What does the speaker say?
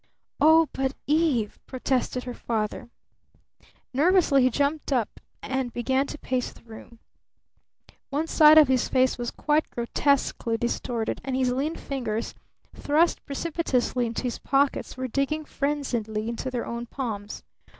"Oh, but Eve!" protested her father. Nervously he jumped up and began to pace the room. One side of his face was quite grotesquely distorted, and his lean fingers, thrust precipitously into his pockets, were digging frenziedly into their own palms.